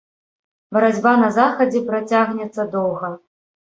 Барацьба на захадзе працягнецца доўга.